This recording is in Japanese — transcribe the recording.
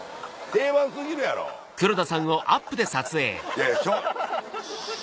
いやいやちょっ。